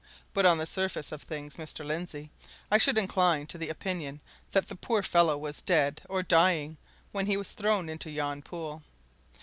But on the surface of things, Mr. Lindsey, I should incline to the opinion that the poor fellow was dead, or dying, when he was thrown into yon pool.